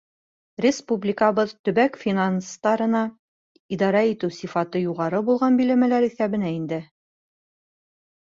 Республикабыҙ төбәк финанстарына идара итеү сифаты юғары булған биләмәләр иҫәбенә инде.